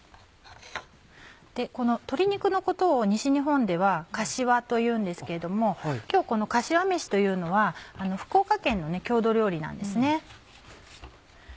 この鶏肉のことを西日本では「かしわ」と言うんですけれども今日このかしわめしというのは福岡県の郷土料理なんです。